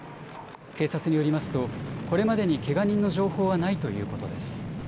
警察によりますと、これまでにけが人の情報はないということです。